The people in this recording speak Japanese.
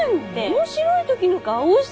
面白い時の顔をしてたぞ。